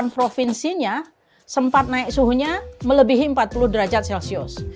delapan provinsinya sempat naik suhunya melebihi empat puluh derajat celcius